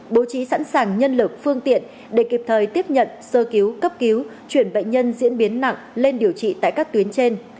bố trí sẵn sàng nhân lực phương tiện để kịp thời tiếp nhận sơ cứu cấp cứu chuyển bệnh nhân diễn biến nặng lên điều trị tại các tuyến trên